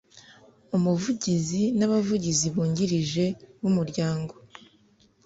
Umuvugizi n abavugizi bungirije b Umuryango